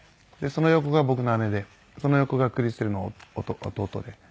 その横が僕の姉でその横がクリステルの弟で。